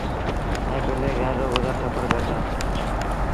ائيٚݩ پنڊري گھر رو گزر سڦر ڪرتآ